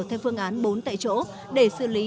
theo phương án bốn tại chỗ để xử lý